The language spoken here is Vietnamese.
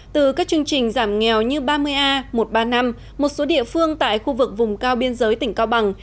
từ các chương trình giảm nghèo như ba mươi a một trăm ba mươi năm một số địa phương tại khu vực vùng cao biên giới tỉnh cao bằng